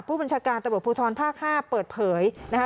ผู้บัญชาการตำรวจภูทรภาค๕เปิดเผยนะคะ